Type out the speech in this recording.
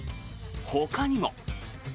ほかにも。